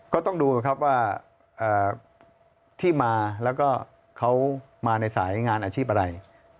ก็ต้องดูครับว่าที่มาแล้วก็เขามาในสายงานอาชีพอะไร